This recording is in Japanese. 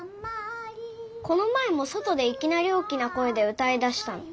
この前も外でいきなり大きな声で歌いだしたの。